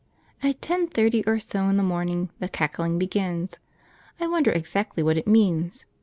At ten thirty or so in the morning the cackling begins. I wonder exactly what it means!